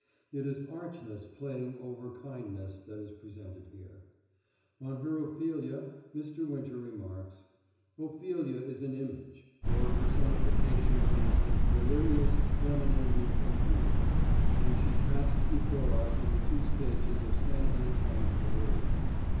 It is archness playing over kindness that is presented here." On her Ophelia, Mr. Winter remarks: "Ophelia is an image, or personification of innocent, delirious, feminine youth and beauty, and she passes before us in the two stages of sanity and delirium.